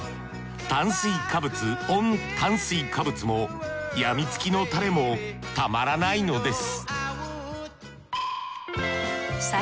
炭水化物オン炭水化物もやみつきのタレもたまらないのです